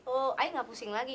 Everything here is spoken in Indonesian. oh ayah nggak pusing lagi